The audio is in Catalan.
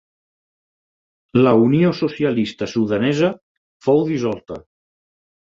La Unió Socialista Sudanesa fou dissolta.